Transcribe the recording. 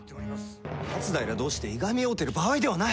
松平同士でいがみ合うてる場合ではない。